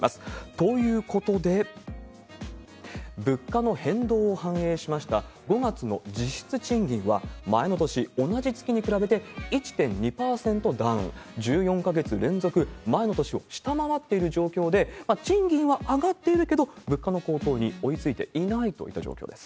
ということで、物価の変動を反映しました５月の実質賃金は、前の年同じ月に比べて１．２％ダウン、１４か月連続前の年を下回っている状況で、賃金は上がっているけど、物価の高騰に追いついていないといった状況です。